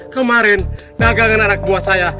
kemarin dagangan anak buah saya